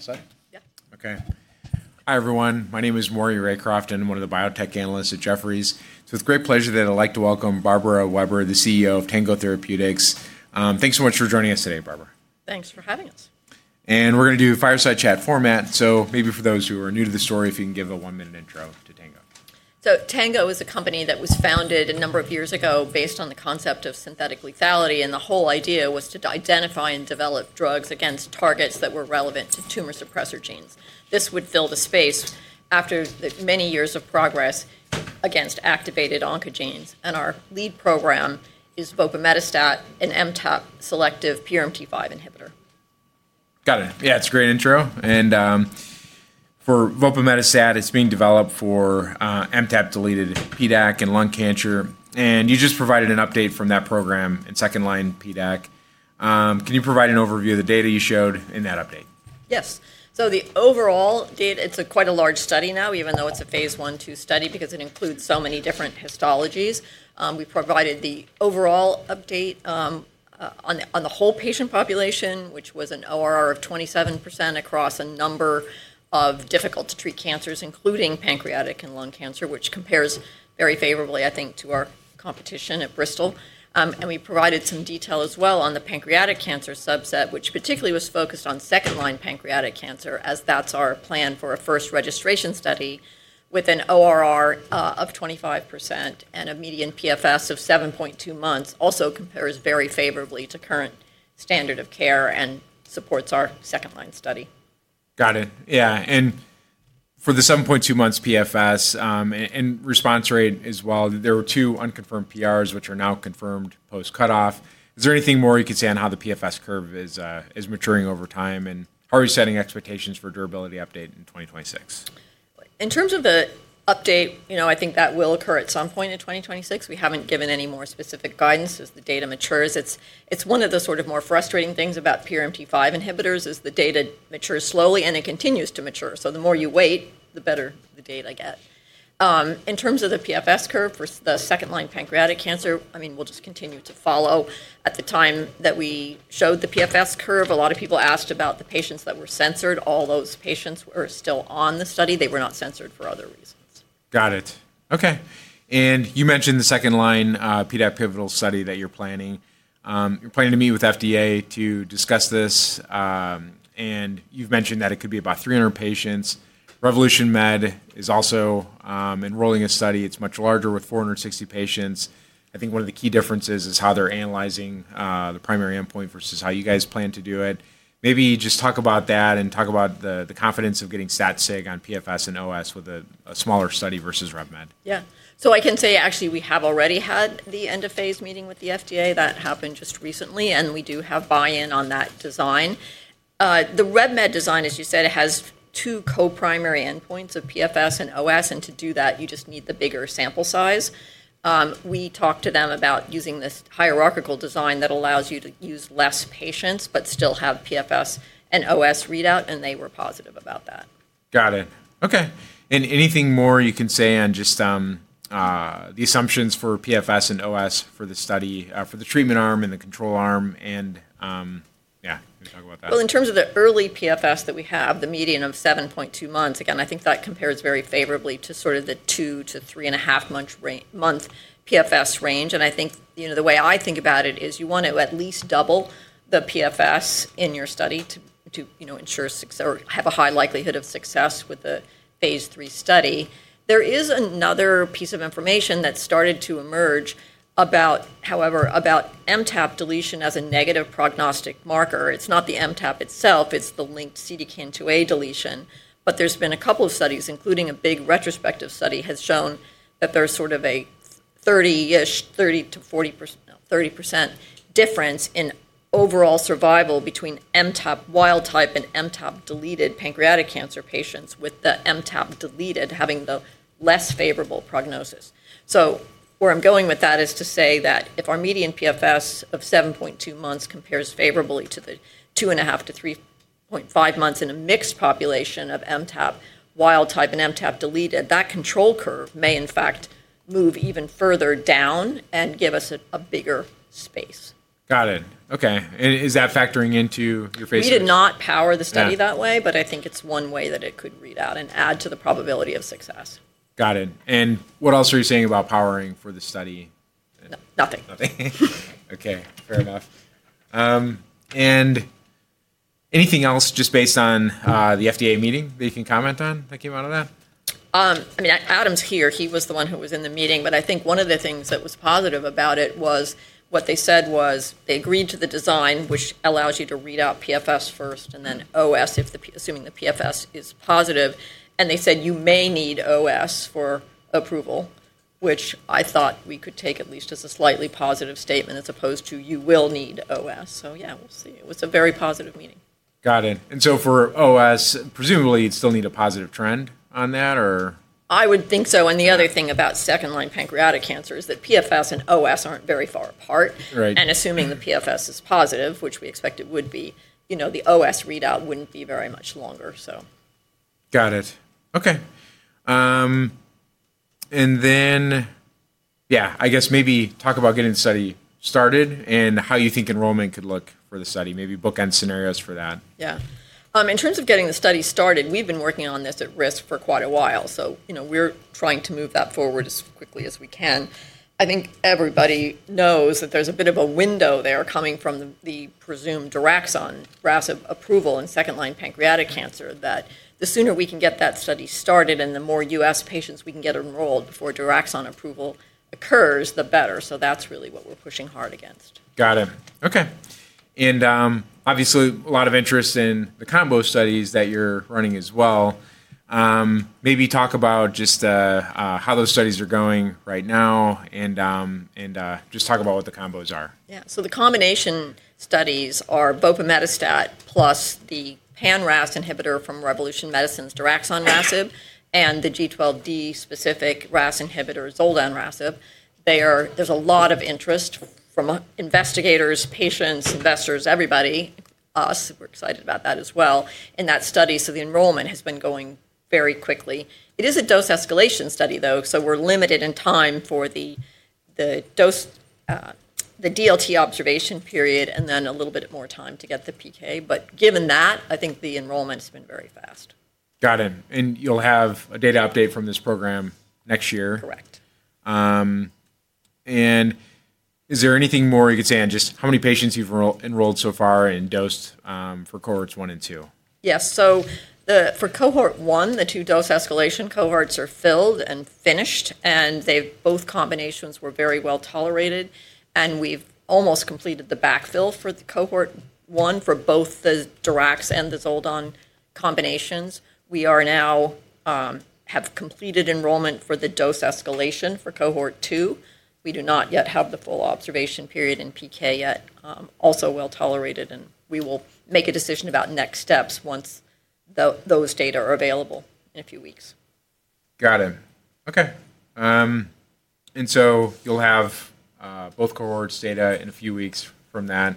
Yes, sir. Yep. Okay. Hi, everyone. My name is Maury Raycroft, one of the Biotech Analysts at Jefferies. It's with great pleasure that I'd like to welcome Barbara Weber, the CEO of Tango Therapeutics. Thanks so much for joining us today, Barbara. Thanks for having us. We're going to do a fireside chat format. Maybe for those who are new to the story, if you can give a one-minute intro to Tango. Tango is a company that was founded a number of years ago based on the concept of synthetic lethality. The whole idea was to identify and develop drugs against targets that were relevant to tumor suppressor genes. This would fill the space after many years of progress against activated oncogenes. Our lead program is vopimetostat, an MTAP-selective PRMT5 inhibitor. Got it. Yeah, it's a great intro. For vopimetostat, it's being developed for MTAP-deleted PDAC and lung cancer. You just provided an update from that program in second-line PDAC. Can you provide an overview of the data you showed in that update? Yes. The overall data, it's quite a large study now, even though it's a phase one, two study, because it includes so many different histologies. We provided the overall update on the whole patient population, which was an ORR of 27% across a number of difficult-to-treat cancers, including pancreatic and lung cancer, which compares very favorably, I think, to our competition at Bristol Myers Squibb. We provided some detail as well on the pancreatic cancer subset, which particularly was focused on second-line pancreatic cancer, as that's our plan for a first registration study with an ORR of 25% and a median PFS of 7.2 months. Also compares very favorably to current standard of care and supports our second-line study. Got it. Yeah. For the 7.2 months PFS and response rate as well, there were two unconfirmed PRs, which are now confirmed post-cutoff. Is there anything more you could say on how the PFS curve is maturing over time and how are you setting expectations for a durability update in 2026? In terms of the update, you know, I think that will occur at some point in 2026. We haven't given any more specific guidance as the data matures. It's one of the sort of more frustrating things about PRMT5 inhibitors is the data matures slowly, and it continues to mature. The more you wait, the better the data get. In terms of the PFS curve for the second-line pancreatic cancer, I mean, we'll just continue to follow. At the time that we showed the PFS curve, a lot of people asked about the patients that were censored. All those patients were still on the study. They were not censored for other reasons. Got it. Okay. You mentioned the second-line PDAC pivotal study that you're planning. You're planning to meet with FDA to discuss this. You mentioned that it could be about 300 patients. Revolution Med is also enrolling a study. It's much larger with 460 patients. I think one of the key differences is how they're analyzing the primary endpoint versus how you guys plan to do it. Maybe just talk about that and talk about the confidence of getting stat/sig on PFS and OS with a smaller study versus RevMed. Yeah. I can say, actually, we have already had the end-of-phase meeting with the FDA. That happened just recently. We do have buy-in on that design. The RevMed design, as you said, has two co-primary endpoints of PFS and OS. To do that, you just need the bigger sample size. We talked to them about using this hierarchical design that allows you to use fewer patients but still have PFS and OS readout. They were positive about that. Got it. Okay. Anything more you can say on just the assumptions for PFS and OS for the study, for the treatment arm and the control arm? Yeah, you can talk about that. In terms of the early PFS that we have, the median of 7.2 months, again, I think that compares very favorably to sort of the two- to three and a half-month PFS range. I think, you know, the way I think about it is you want to at least double the PFS in your study to ensure or have a high likelihood of success with the phase three study. There is another piece of information that started to emerge, however, about MTAP deletion as a negative prognostic marker. It's not the MTAP itself. It's the linked CDKN2A deletion. There have been a couple of studies, including a big retrospective study, that has shown that there's sort of a 30-ish, 30-40% difference in overall survival between MTAP wild type and MTAP-deleted pancreatic cancer patients, with the MTAP-deleted having the less favorable prognosis. Where I'm going with that is to say that if our median PFS of 7.2 months compares favorably to the two and a half to 3.5 months in a mixed population of MTAP wild type and MTAP-deleted, that control curve may, in fact, move even further down and give us a bigger space. Got it. Okay. Is that factoring into your phase three? We did not power the study that way, but I think it's one way that it could read out and add to the probability of success. Got it. What else are you saying about powering for the study? Nothing. Nothing. Okay. Fair enough. Anything else just based on the FDA meeting that you can comment on that came out of that? I mean, Adam's here. He was the one who was in the meeting. I think one of the things that was positive about it was what they said was they agreed to the design, which allows you to read out PFS first and then OS, assuming the PFS is positive. They said you may need OS for approval, which I thought we could take at least as a slightly positive statement as opposed to you will need OS. Yeah, we'll see. It was a very positive meeting. Got it. For OS, presumably, you'd still need a positive trend on that, or? I would think so. The other thing about second-line pancreatic cancer is that PFS and OS are not very far apart. Assuming the PFS is positive, which we expect it would be, you know, the OS readout would not be very much longer. Got it. Okay. Yeah, I guess maybe talk about getting the study started and how you think enrollment could look for the study, maybe bookend scenarios for that. Yeah. In terms of getting the study started, we've been working on this at risk for quite a while. You know, we're trying to move that forward as quickly as we can. I think everybody knows that there's a bit of a window there coming from the presumed daraxonrasib approval in second-line pancreatic cancer, that the sooner we can get that study started and the more U.S. patients we can get enrolled before daraxonrasib approval occurs, the better. That's really what we're pushing hard against. Got it. Okay. Obviously, a lot of interest in the combo studies that you're running as well. Maybe talk about just how those studies are going right now and just talk about what the combos are. Yeah. The combination studies are vopimetostat plus the pan-RAS inhibitor from Revolution Medicines, daraxonrasib, and the G12D-specific RAS inhibitor zoldonrasib. There's a lot of interest from investigators, patients, investors, everybody, us. We're excited about that as well in that study. The enrollment has been going very quickly. It is a dose escalation study, though. We're limited in time for the DLT observation period and then a little bit more time to get the PK. Given that, I think the enrollment has been very fast. Got it. You'll have a data update from this program next year? Correct. Is there anything more you could say on just how many patients you've enrolled so far in dose for cohorts one and two? Yes. For cohort one, the two dose escalation cohorts are filled and finished. Both combinations were very well tolerated. We've almost completed the backfill for cohort one for both the daraxonrasib and the zoldonrasib combinations. We now have completed enrollment for the dose escalation for cohort two. We do not yet have the full observation period in PK yet. Also well tolerated. We will make a decision about next steps once those data are available in a few weeks. Got it. Okay. You will have both cohorts data in a few weeks from that.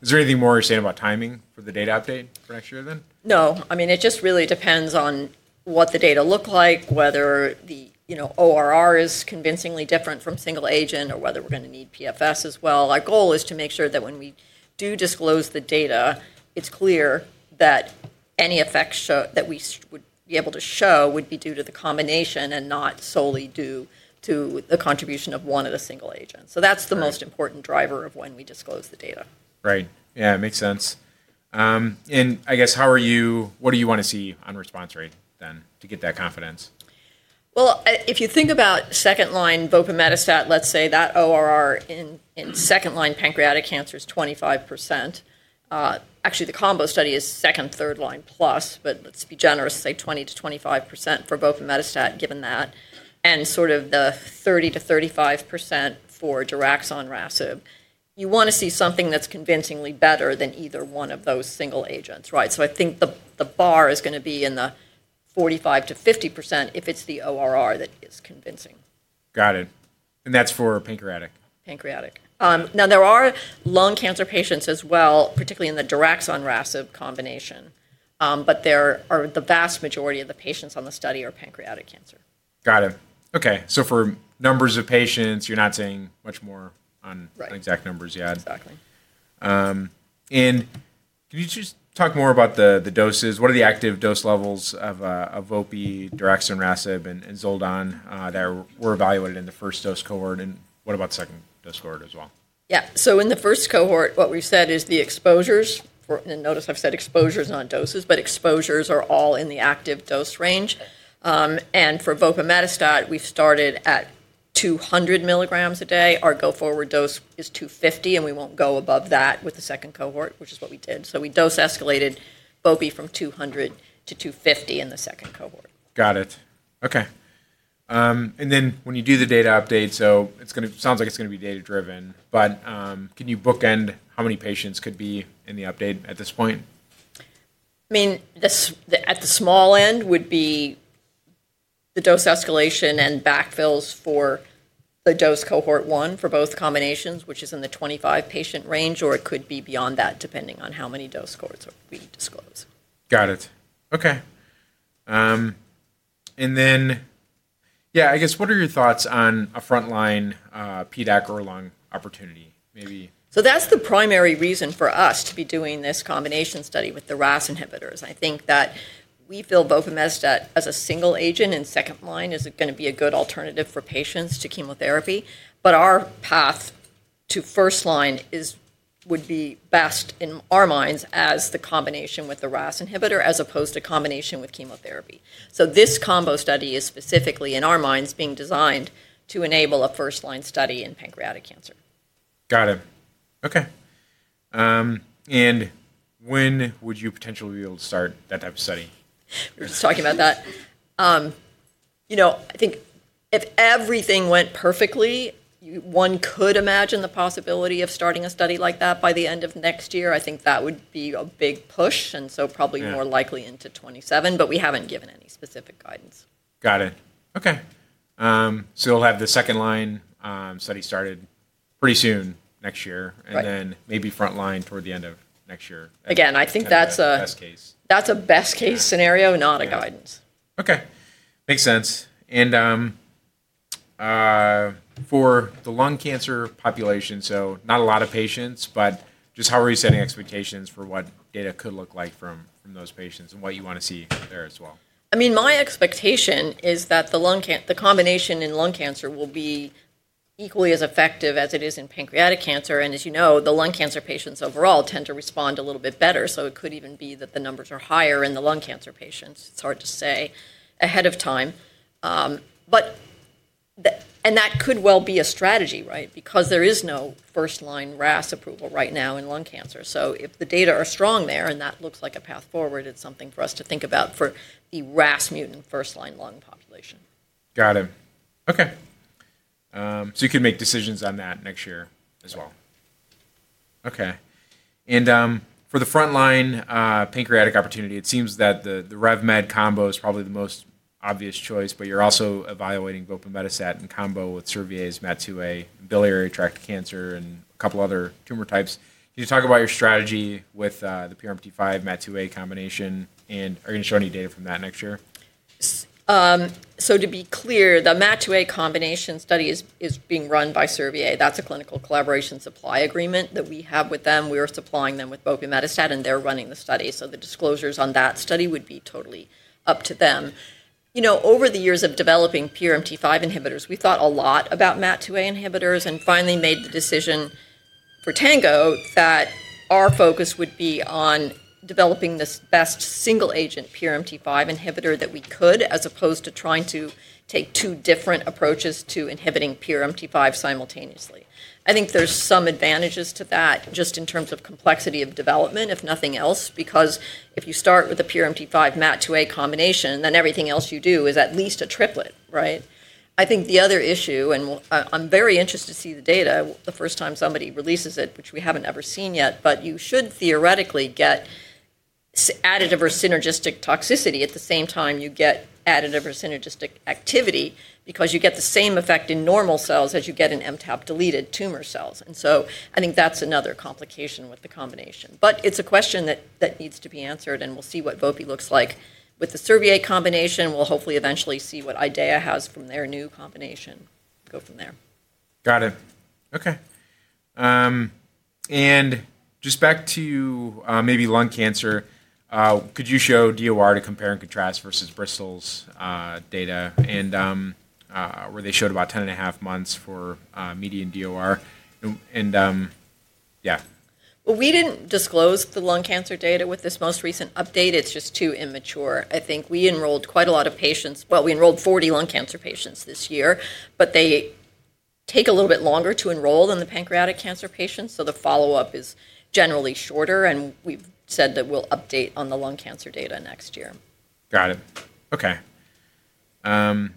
Is there anything more you are saying about timing for the data update for next year then? No. I mean, it just really depends on what the data look like, whether the ORR is convincingly different from single agent or whether we're going to need PFS as well. Our goal is to make sure that when we do disclose the data, it's clear that any effects that we would be able to show would be due to the combination and not solely due to the contribution of one at a single agent. That is the most important driver of when we disclose the data. Right. Yeah, it makes sense. I guess how are you what do you want to see on response rate then to get that confidence? If you think about second-line vopimetostat, let's say that ORR in second-line pancreatic cancer is 25%. Actually, the combo study is second, third-line plus, but let's be generous, say 20-25% for vopimetostat given that, and sort of the 30-35% for daraxonrasib. You want to see something that's convincingly better than either one of those single agents, right? I think the bar is going to be in the 45-50% if it's the ORR that is convincing. Got it. That is for pancreatic? Pancreatic. Now, there are lung cancer patients as well, particularly in the daraxonrasib combination. The vast majority of the patients on the study are pancreatic cancer. Got it. Okay. For numbers of patients, you're not saying much more on exact numbers yet. Exactly. Can you just talk more about the doses? What are the active dose levels of vopi, daraxonrasib, and zoldonrasib that were evaluated in the first dose cohort? What about the second dose cohort as well? Yeah. In the first cohort, what we've said is the exposures for, and notice I've said exposures not doses, but exposures are all in the active dose range. For vopimetostat, we've started at 200 mg a day. Our go-forward dose is 250, and we won't go above that with the second cohort, which is what we did. We dose escalated vopi from 200 to 250 in the second cohort. Got it. Okay. When you do the data update, it's going to sound like it's going to be data-driven, but can you bookend how many patients could be in the update at this point? I mean, at the small end would be the dose escalation and backfills for the dose cohort one for both combinations, which is in the 25-patient range, or it could be beyond that depending on how many dose cohorts we disclose. Got it. Okay. Yeah, I guess what are your thoughts on a front-line PDAC or lung opportunity? Maybe. That's the primary reason for us to be doing this combination study with the RAS inhibitors. I think that we feel vopimetostat as a single agent in second line is going to be a good alternative for patients to chemotherapy. Our path to first line would be best in our minds as the combination with the RAS inhibitor as opposed to combination with chemotherapy. This combo study is specifically, in our minds, being designed to enable a first-line study in pancreatic cancer. Got it. Okay. When would you potentially be able to start that type of study? We were just talking about that. You know, I think if everything went perfectly, one could imagine the possibility of starting a study like that by the end of next year. I think that would be a big push. Probably more likely into 2027. We have not given any specific guidance. Got it. Okay. We'll have the second-line study started pretty soon next year. And then maybe front-line toward the end of next year. Again, I think that's a best case scenario, not a guidance. Okay. Makes sense. For the lung cancer population, not a lot of patients, but just how are you setting expectations for what data could look like from those patients and what you want to see there as well? I mean, my expectation is that the combination in lung cancer will be equally as effective as it is in pancreatic cancer. And as you know, the lung cancer patients overall tend to respond a little bit better. So it could even be that the numbers are higher in the lung cancer patients. It's hard to say ahead of time. That could well be a strategy, right, because there is no first-line RAS approval right now in lung cancer. If the data are strong there and that looks like a path forward, it's something for us to think about for the RAS mutant first-line lung population. Got it. Okay. You could make decisions on that next year as well. Okay. For the front-line pancreatic opportunity, it seems that the RevMed combo is probably the most obvious choice, but you're also evaluating vopimetostat in combo with Servier's MAT2A in biliary tract cancer and a couple other tumor types. Can you talk about your strategy with the PRMT5-MAT2A combination? Are you going to show any data from that next year? To be clear, the MAT2A combination study is being run by Servier. That is a clinical collaboration supply agreement that we have with them. We are supplying them with vopimetostat, and they are running the study. The disclosures on that study would be totally up to them. You know, over the years of developing PRMT5 inhibitors, we thought a lot about MAT2A inhibitors and finally made the decision for Tango that our focus would be on developing this best single-agent PRMT5 inhibitor that we could, as opposed to trying to take two different approaches to inhibiting PRMT5 simultaneously. I think there are some advantages to that just in terms of complexity of development, if nothing else, because if you start with a PRMT5-MAT2A combination, then everything else you do is at least a triplet, right? I think the other issue, and I'm very interested to see the data the first time somebody releases it, which we haven't ever seen yet, but you should theoretically get additive or synergistic toxicity at the same time you get additive or synergistic activity because you get the same effect in normal cells as you get in MTAP-deleted tumor cells. I think that's another complication with the combination. It's a question that needs to be answered, and we'll see what vopi looks like with the Servier combination. We'll hopefully eventually see what Ideaya has from their new combination, go from there. Got it. Okay. Just back to maybe lung cancer, could you show DOR to compare and contrast versus Bristol Myers Squibb's data where they showed about 10.5 months for median DOR? And yeah. We did not disclose the lung cancer data with this most recent update. It is just too immature. I think we enrolled quite a lot of patients. We enrolled 40 lung cancer patients this year, but they take a little bit longer to enroll than the pancreatic cancer patients. The follow-up is generally shorter. We have said that we will update on the lung cancer data next year. Got it. Okay. Bristol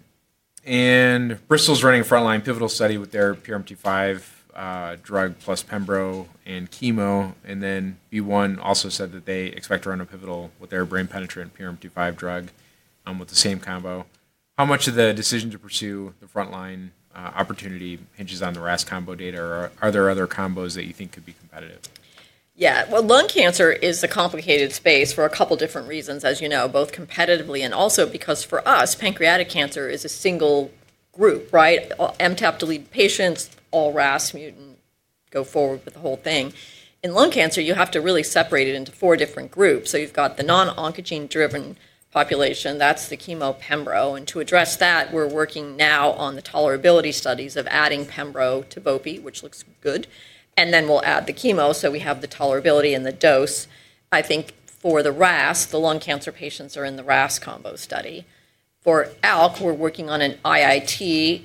Myers Squibb is running a front-line pivotal study with their PRMT5 drug plus pembro and chemo. B1 also said that they expect to run a pivotal with their brain-penetrant PRMT5 drug with the same combo. How much of the decision to pursue the front-line opportunity hinges on the RAS combo data? Are there other combos that you think could be competitive? Yeah. Lung cancer is a complicated space for a couple different reasons, as you know, both competitively and also because for us, pancreatic cancer is a single group, right? MTAP-delete patients, all RAS mutant, go forward with the whole thing. In lung cancer, you have to really separate it into four different groups. You have the non-oncogene-driven population. That is the chemo pembro. To address that, we are working now on the tolerability studies of adding pembro to vopi, which looks good. We will add the chemo so we have the tolerability and the dose. I think for the RAS, the lung cancer patients are in the RAS combo study. For ALK, we are working on an IIT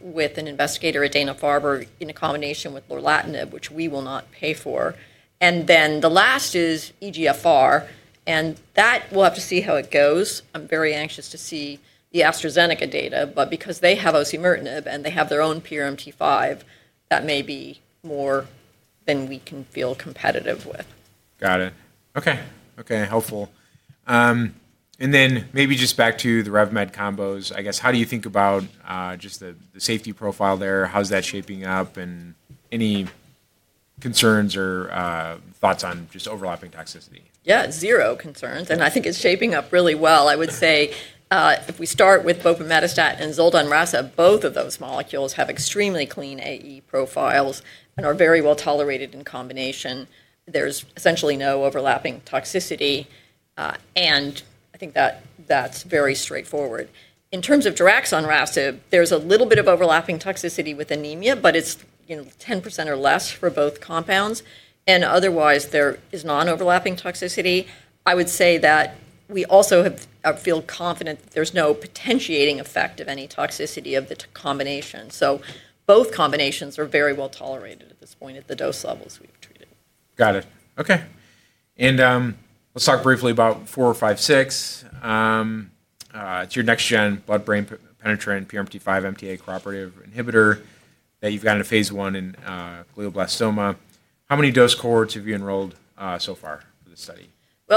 with an investigator, Dana-Farber, in a combination with lorlatinib, which we will not pay for. The last is EGFR. We will have to see how it goes. I'm very anxious to see the AstraZeneca data. Because they have osimertinib and they have their own PRMT5, that may be more than we can feel competitive with. Got it. Okay. Okay. Helpful. Maybe just back to the RevMed combos, I guess, how do you think about just the safety profile there? How's that shaping up? Any concerns or thoughts on just overlapping toxicity? Yeah, zero concerns. I think it's shaping up really well. I would say if we start with vopimetostat and zoldonrasib, both of those molecules have extremely clean AE profiles and are very well tolerated in combination. There's essentially no overlapping toxicity. I think that that's very straightforward. In terms of daraxonrasib, there's a little bit of overlapping toxicity with anemia, but it's 10% or less for both compounds. Otherwise, there is non-overlapping toxicity. I would say that we also feel confident there's no potentiating effect of any toxicity of the combination. Both combinations are very well tolerated at this point at the dose levels we've treated. Got it. Okay. Let's talk briefly about 456. It's your next-gen blood-brain penetrant PRMT5 MTA-cooperative inhibitor that you've got in phase one in glioblastoma. How many dose cohorts have you enrolled so far for this study?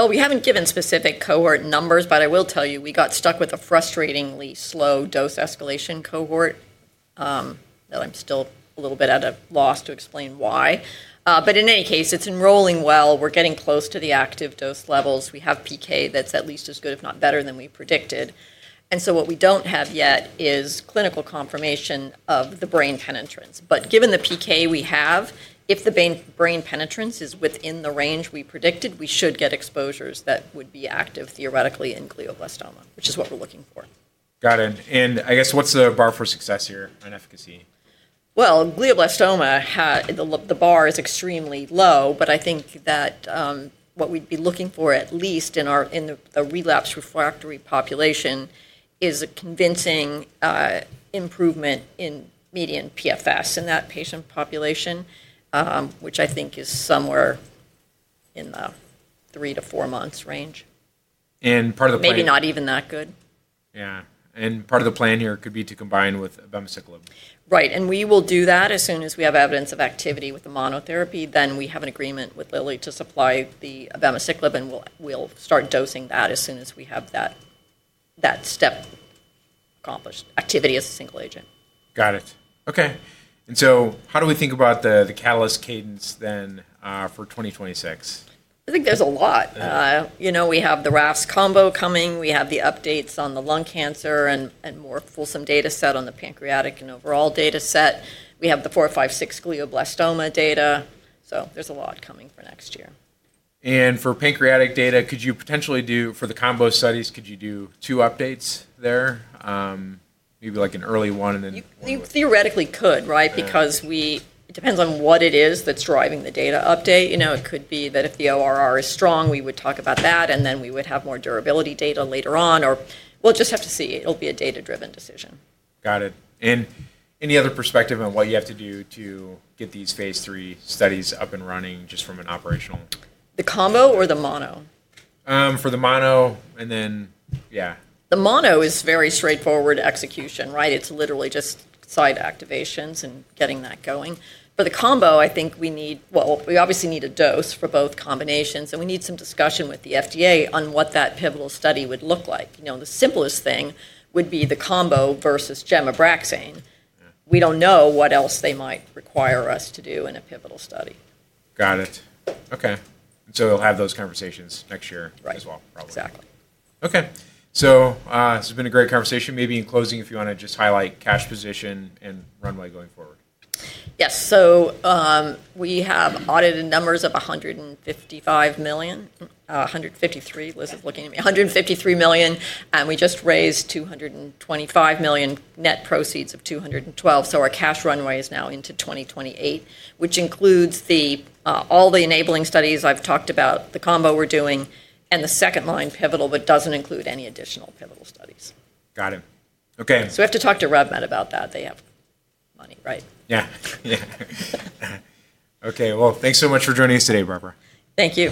We haven't given specific cohort numbers, but I will tell you we got stuck with a frustratingly slow dose escalation cohort that I'm still a little bit at a loss to explain why. In any case, it's enrolling well. We're getting close to the active dose levels. We have PK that's at least as good, if not better, than we predicted. What we don't have yet is clinical confirmation of the brain penetrance. Given the PK we have, if the brain penetrance is within the range we predicted, we should get exposures that would be active theoretically in glioblastoma, which is what we're looking for. Got it. I guess what's the bar for success here on efficacy? Glioblastoma, the bar is extremely low, but I think that what we'd be looking for, at least in the relapse refractory population, is a convincing improvement in median PFS in that patient population, which I think is somewhere in the three to four months range. Part of the plan. Maybe not even that good. Yeah. Part of the plan here could be to combine with abemaciclib. Right. We will do that as soon as we have evidence of activity with the monotherapy. We have an agreement with Lilly to supply the abemaciclib, and we'll start dosing that as soon as we have that step accomplished, activity as a single agent. Got it. Okay. How do we think about the catalyst cadence then for 2026? I think there's a lot. You know, we have the RAS combo coming. We have the updates on the lung cancer and more fulsome data set on the pancreatic and overall data set. We have the 456 glioblastoma data. There is a lot coming for next year. For pancreatic data, could you potentially do for the combo studies, could you do two updates there, maybe like an early one and then? Theoretically, could, right? Because it depends on what it is that's driving the data update. You know, it could be that if the ORR is strong, we would talk about that, and then we would have more durability data later on. Or we'll just have to see. It'll be a data-driven decision. Got it. Any other perspective on what you have to do to get these phase three studies up and running just from an operational? The combo or the mono? For the mono and then, yeah. The mono is very straightforward execution, right? It's literally just site activations and getting that going. For the combo, I think we need, well, we obviously need a dose for both combinations, and we need some discussion with the FDA on what that pivotal study would look like. You know, the simplest thing would be the combo versus gemcitabine. We don't know what else they might require us to do in a pivotal study. Got it. Okay. We'll have those conversations next year as well, probably. Right. Exactly. Okay. This has been a great conversation. Maybe in closing, if you want to just highlight cash position and runway going forward. Yes. We have audited numbers of $155 million, $153 million, Liz is looking at me, $153 million. We just raised $225 million, net proceeds of $212 million. Our cash runway is now into 2028, which includes all the enabling studies I've talked about, the combo we're doing, and the second-line pivotal, but does not include any additional pivotal studies. Got it. Okay. We have to talk to RevMed about that. They have money, right? Yeah. Yeah. Okay. Thanks so much for joining us today, Barbara. Thank you.